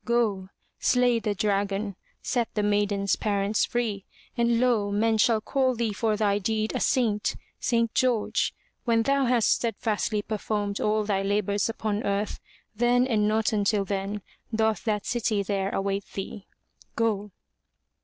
Go — slay the dragon, set the maiden's parents free, and lo! men shall call thee for thy deed a Saint, St. George. When thou hast steadfastly performed all thy labors upon earth, then and not until then, doth that city there await thee. Go!''